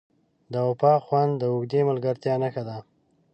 د وفا خوند د اوږدې ملګرتیا نښه ده.